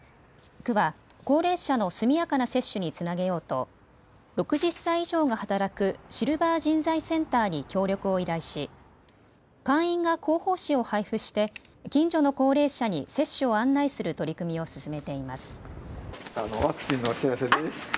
区は高齢者の速やかな接種につなげようと６０歳以上が働くシルバー人材センターに協力を依頼し会員が広報誌を配付して近所の高齢者に接種を案内する取り組みを進めています。